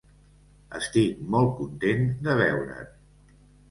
Estic molt content de veure't.